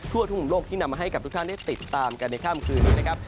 ทั่วทุ่มโลกที่นำมาให้กับทุกท่านได้ติดตามกันในค่ำคืนนี้นะครับ